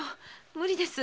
無理です！